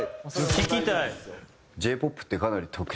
聞きたい。